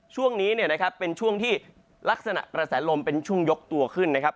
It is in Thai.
ช่วงนี้เนี่ยนะครับเป็นช่วงที่ลักษณะกระแสลมเป็นช่วงยกตัวขึ้นนะครับ